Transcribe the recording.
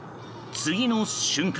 次の瞬間